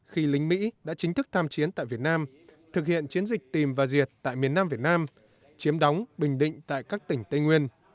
khi lính mỹ đã chính thức tham chiến tại việt nam thực hiện chiến dịch tìm và diệt tại miền nam việt nam chiếm đóng bình định tại các tỉnh tây nguyên